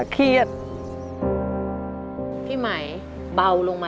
ขอเพียงคุณสามารถที่จะเอ่ยเอื้อนนะครับ